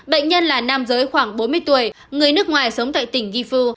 bệnh nhân là nam giới khoảng bốn mươi tuổi người nước ngoài sống tại tỉnh gifu